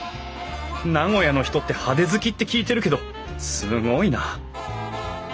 名古屋の人って派手好きって聞いてるけどすごいな。